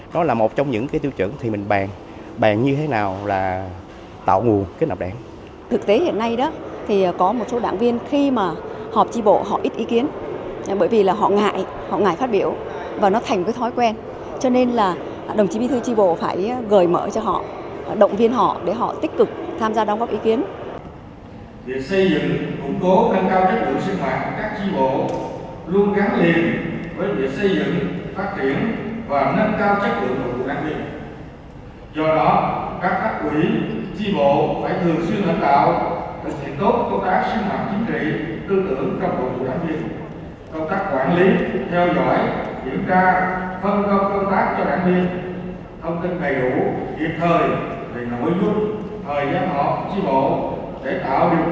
do đó các pháp quỷ tri bộ phải thường xuyên hợp tạo thực hiện tốt công tác sinh hoạt chính trị tương tự ứng trong bộ chủ đảng viên công tác quản lý theo dõi kiểm tra phân công công tác cho đảng viên thông tin đầy đủ hiện thời để nổi dung thời giá hợp tri bộ để tạo điều kiện phục lợi cho đảng viên tham dự sinh hoạt tri bộ đầy đủ và tự tốt